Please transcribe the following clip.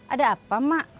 ada apa mak